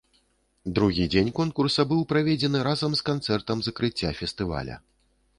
Другі дзень конкурса быў праведзены разам з канцэртам закрыцця фестываля.